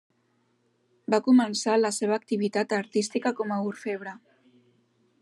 Va començar la seva activitat artística com a orfebre.